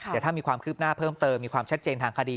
แต่ถ้ามีความคืบหน้าเพิ่มเติมมีความชัดเจนทางคดี